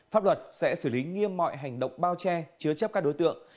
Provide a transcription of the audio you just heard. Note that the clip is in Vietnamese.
pháp luật sẽ xử lý nghiêm mọi hành động bao che chứa chấp các đối tượng